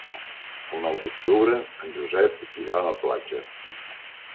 El nou d'octubre en Josep irà a la platja.